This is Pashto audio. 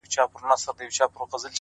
پوه انسان د غرور بار نه وړي!